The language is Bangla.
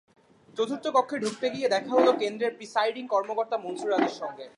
চতুর্থ কক্ষে ঢুকতে গিয়ে দেখা হলো কেন্দ্রের প্রিসাইডিং কর্মকর্তা মনসুর আলীর সঙ্গে।